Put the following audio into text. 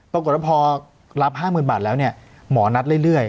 ปรากฏว่าพอรับห้าหมื่นบาทแล้วเนี่ยหมอนัดเรื่อยเรื่อย